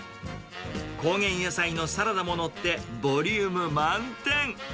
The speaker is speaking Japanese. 高原野菜のサラダも載ってボリューム満点。